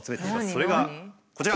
それがこちら！